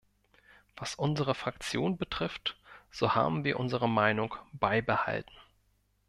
Was unsere Fraktion betrifft, so haben wir unsere Meinung beibehalten.